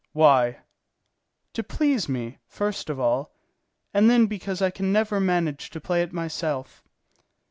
"Why?" "To please me, first of all, and then because I never can manage to play it myself."